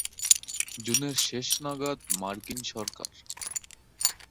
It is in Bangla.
জুনের শেষ নাগাদ মার্কিন সরকার।